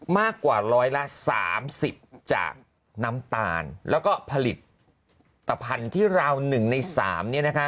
มากกว่าร้อยละ๓๐จากน้ำตาลแล้วก็ผลิตภัณฑ์ที่ราว๑ใน๓เนี่ยนะคะ